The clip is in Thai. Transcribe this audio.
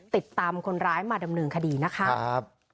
ติดตามคนร้ายมาดำเนินคดีนะคะ